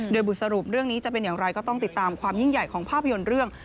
โดยบทสรุปเรื่องนี้จะเป็นอย่างไรก็ต้องติดตามความยิ่งใหญ่ของภาพยนตร์เรื่อง